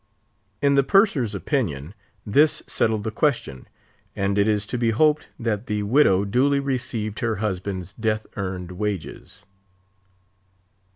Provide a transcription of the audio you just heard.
In the Purser's opinion, this settled the question; and it is to be hoped that the widow duly received her husband's death earned wages.